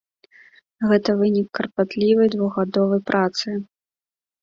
Гэта вынік карпатлівай двухгадовай працы.